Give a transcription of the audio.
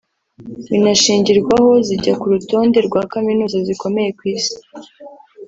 binashingirwaho zijya ku rutonde rwa Kaminuza zikomeye ku Isi